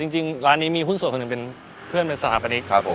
จริงร้านนี้มีหุ้นส่วนคนหนึ่งเป็นเพื่อนเป็นสถาปนิกครับผม